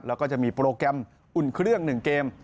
แล้วก็จะมีโปรแกรมอุ่นเครื่อง๑เกม